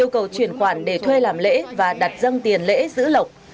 yêu cầu chuyển khoản để thuê làm lễ và đặt dân tiền lễ giữ lộc